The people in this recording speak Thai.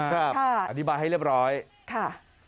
อธิบายให้เรียบร้อยค่ะ